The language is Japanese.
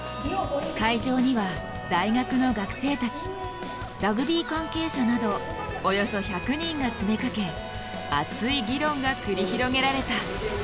会場には大学の学生たちラグビー関係者などおよそ１００人が詰めかけ熱い議論が繰り広げられた。